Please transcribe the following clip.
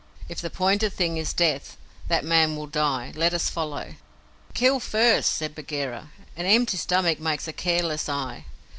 If the pointed thing is Death, that man will die. Let us follow." "Kill first," said Bagheera. "An empty stomach makes a careless eye.